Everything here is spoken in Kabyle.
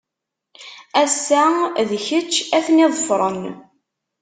Ass- a d kečč ad ten-iḍfren.